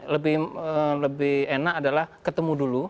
lebih enak adalah ketemu dulu